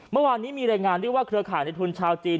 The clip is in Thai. เมื่อวานนี้มีรายงานด้วยว่าเครือข่ายในทุนชาวจีน